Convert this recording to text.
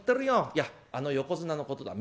いやあの横綱のことだ。